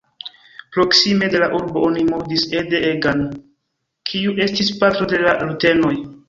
Proksime de la urbo oni murdis Ede Egan, kiu estis patro de la rutenoj.